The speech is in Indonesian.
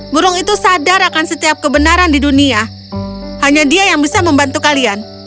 burung itu sadar akan setiap kebenaran di dunia hanya dia yang bisa membantu kalian